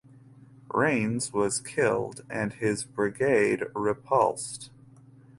Rains was killed and his brigade repulsed.